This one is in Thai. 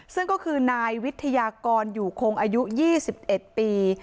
ซึ่งก็คือนายวิทยากรอยู่คงอายุ๒๑ปี